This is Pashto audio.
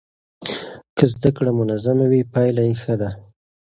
که زده کړه منظمه وي پایله یې ښه ده.